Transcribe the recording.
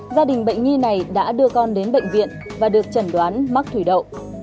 gia đình bệnh nhi này đã đưa con đến bệnh viện và được chẩn đoán mắc thủy đậu